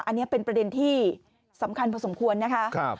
อันนี้เป็นประเด็นที่สำคัญพอสมควรนะคะ